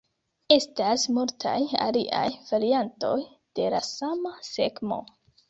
Estas multaj aliaj variantoj de la sama skemo.